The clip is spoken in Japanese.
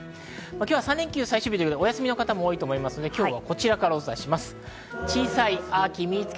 今日は３連休最終日ということで、お休みの方も多いと思いますが、こちらからお伝えします。